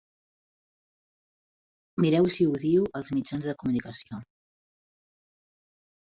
Mireu si odio els mitjans de comunicació.